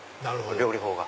料理法が。